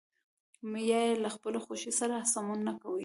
یا يې له خپلې خوښې سره سمون نه کوي.